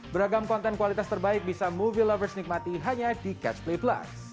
beragam konten kualitas terbaik bisa movie lovers nikmati hanya di catch play plus